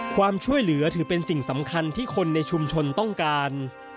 ความช่วยเหลือถือเป็นสิ่งสำคัญที่คนในชุมชนต้องการ